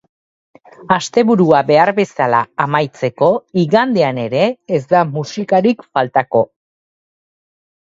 Asteburua behar bezala amaitzeko, igandean ere ez da musikarik faltako.